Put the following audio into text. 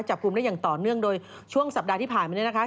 จับกลุ่มได้อย่างต่อเนื่องโดยช่วงสัปดาห์ที่ผ่านมาเนี่ยนะคะ